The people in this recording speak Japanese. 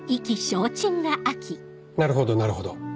なるほどなるほど。